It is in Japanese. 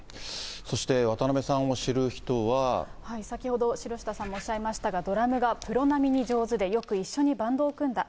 そして、先ほど、城下さんもおっしゃいましたが、ドラムがプロ並みに上手で、よく一緒にバンドを組んだ。